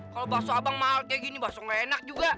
kalau basuh abang mahal kayak gini basuh gak enak juga